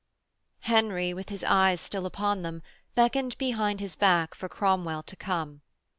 Henry, with his eyes still upon them, beckoned behind his back for Cromwell to come.